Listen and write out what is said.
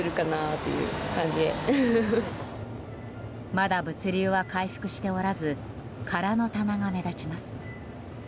まだ物流は回復しておらず空の棚が目立ちます。